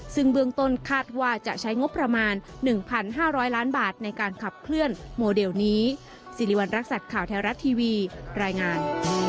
ซึ่งเบื้องต้นคาดว่าจะใช้งบประมาณ๑๕๐๐ล้านบาทในการขับเคลื่อนโมเดลนี้สิริวัณรักษัตริย์ข่าวไทยรัฐทีวีรายงาน